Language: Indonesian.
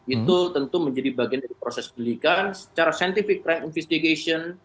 itu tentu menjadi bagian dari proses pendidikan secara scientific crime investigation